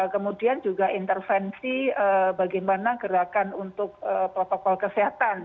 kemudian juga intervensi bagaimana gerakan untuk protokol kesehatan